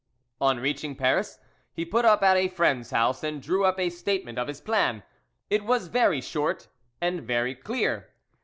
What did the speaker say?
On reaching Paris he put up at a friend's house, and drew up a statement of his plan: it was very short and very clear.